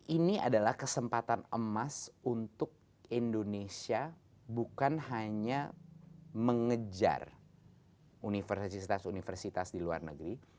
ini adalah kesempatan emas untuk indonesia bukan hanya mengejar universitas universitas di luar negeri